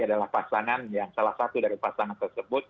adalah pasangan yang salah satu dari pasangan tersebut